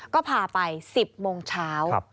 ก็พาไป๑๐โมงเช้า